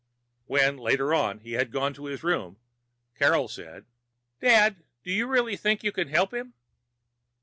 When, later on, he had gone to his room, Carol said, "Dad, do you really think you can help him?"